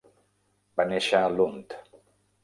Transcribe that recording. Va néixer a Lund.